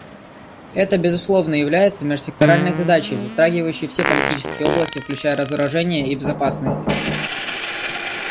Это, безусловно, является межсекторальной задачей, затрагивающей все политические области, включая разоружение и безопасность.